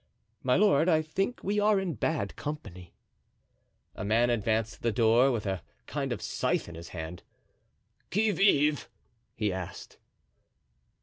"My lord, I think we are in bad company." A man advanced to the door with a kind of scythe in his hand. "Qui vive?" he asked.